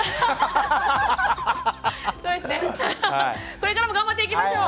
これからも頑張っていきましょう。